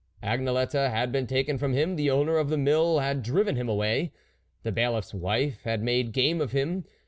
Agnelette had been taken from him ; the owner of the mill had driven him away ; the Bailiffs wife had made game of him.